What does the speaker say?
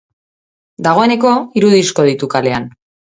Dagoeneko hiru disko ditu kalean.